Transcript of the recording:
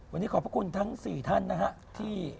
วันนี้ขอบพระคุณทั้ง๔ท่านนะฮะที่